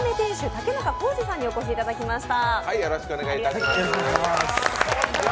竹中康二さんにお越しいただきました。